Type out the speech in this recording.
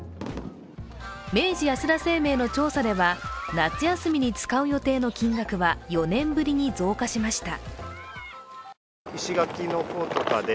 明治安田生命の調査では、夏休みに使う予定の金額は４年ぶりに増加しました。